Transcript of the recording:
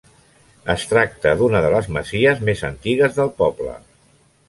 Es tracta d'una de les masies més antigues del poble.